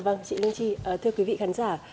vâng chị linh chi thưa quý vị khán giả